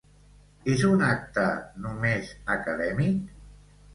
És un acte només acadèmic?